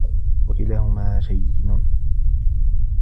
وَكِلَاهُمَا شَيْنٌ